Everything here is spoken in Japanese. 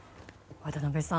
渡辺さん